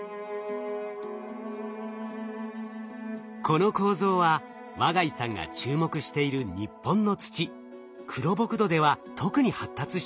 この構造は和穎さんが注目している日本の土黒ボク土では特に発達しています。